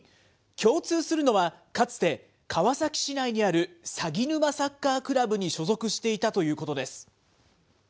共通するのはかつて、川崎市内にあるさぎぬまサッカークラブに所属していたということです。